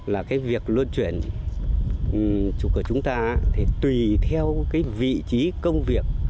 là cái việc luân chuyển của chúng ta thì tùy theo cái vị trí công việc